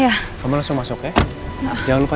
takeover lapangan yg juga